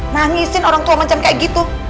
nangisin orang tua macam kayak gitu